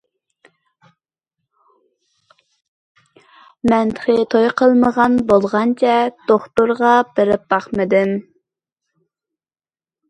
مەن تېخى توي قىلمىغان بولغاچقا دوختۇرخانىغا بېرىپ باقمىدىم.